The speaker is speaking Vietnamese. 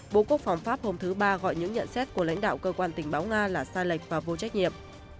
bộ quốc phòng pháp hôm thứ ba gọi những nhận xét của lãnh đạo cơ quan tình báo nga là sai lệch và vô trách nhiệm